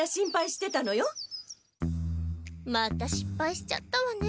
またしっぱいしちゃったわね。